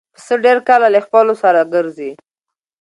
پسه ډېر کله له خپلو سره ګرځي.